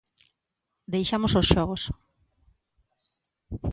Deixamos os Xogos.